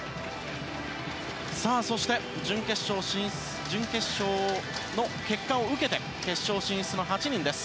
そして、準決勝の結果を受けて決勝進出の８人です。